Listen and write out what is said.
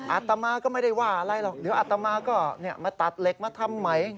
อาตมาก็ไม่ได้ว่าอะไรหรอกเดี๋ยวอัตมาก็มาตัดเหล็กมาทำใหม่